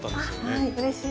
あうれしい。